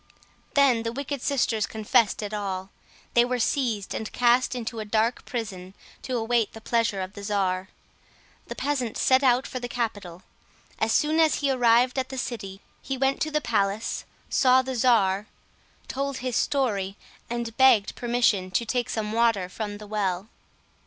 Then the wicked sisters confessed it all. They were seized and cast into a dark prison, to await the pleasure of the czar. The peasant set out for the capital. As soon as he arrived at the city, he went to the palace, saw the czar, told his story, and begged permission to take some water from the well.